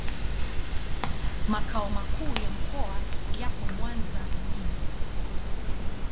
Makao makuu ya mkoa yapo Mwanza mjini.